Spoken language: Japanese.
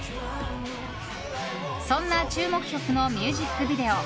そんな注目曲のミュージックビデオ。